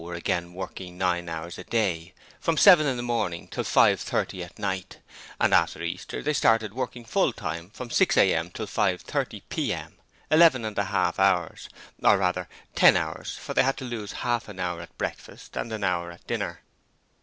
were again working nine hours a day, from seven in the morning till five thirty at night, and after Easter they started working full time from 6 A.M. till 5.30 P.M., eleven and a half hours or, rather, ten hours, for they had to lose half an hour at breakfast and an hour at dinner.